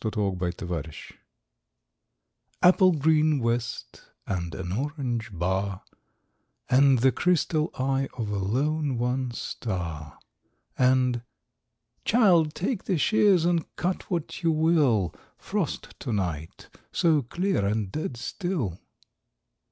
Thomas "Frost To Night" APPLE GREEN west and an orange bar, And the crystal eye of a lone, one star …And, "Child, take the shears and cut what you will, Frost to night—so clear and dead still."